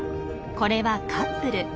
これはカップル。